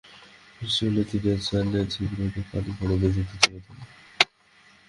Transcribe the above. বৃষ্টি হলে টিনের চালের ছিদ্র দিয়ে পানি পড়ে মেঝেতে জমে থাকে।